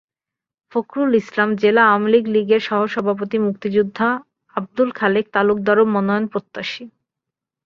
ফকরুল ইসলাম, জেলা আওয়ামী লীগের সহসভাপতি মুক্তিযোদ্ধা আবদুল খালেক তালুকদারও মনোনয়নপ্রত্যাশী।